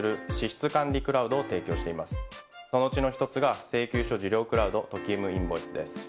そのうちの一つが請求書受領クラウド「ＴＯＫＩＵＭインボイス」です。